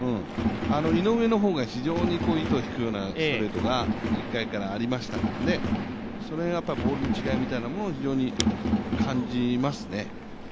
井上の方が非常に糸を引くようなストレートが１回からありましたから、その辺、ボールの違いみたいなものを非常に感じますね。